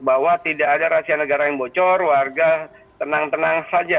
bahwa tidak ada rahasia negara yang bocor warga tenang tenang saja